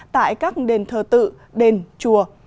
tại các đền thờ tự đền chùa